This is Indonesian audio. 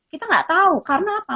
kita nggak tahu karena apa